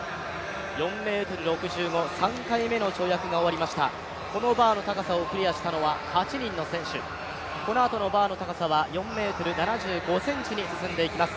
４ｍ６５、３回目の跳躍が終わりました、このバーの高さをクリアしたのは８人の選手、このあとのバーの高さは４ｍ７５ｃｍに進んでいきます。